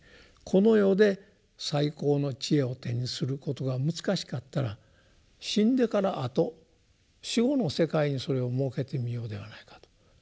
この世で最高の智慧を手にすることが難しかったら死んでからあと死後の世界にそれを設けてみようではないかと。